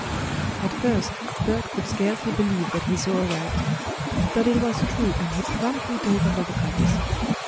_ At first Bert could scarcely believe that he saw aright. But it was true and he promptly dove under the covers.